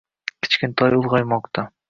Kichkintoy ulg‘aymoqda.